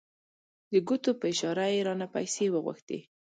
د ګوتو په اشاره یې رانه پیسې وغوښتې.